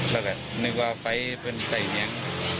เราก็นึกว่าไฟเป็นไตเทียง